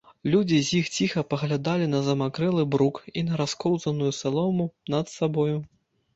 Людзі з іх ціха паглядалі на замакрэлы брук і на раскоўзаную салому над сабою.